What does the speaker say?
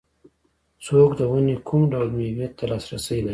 څوک د ونې کوم ډول مېوې ته لاسرسی لري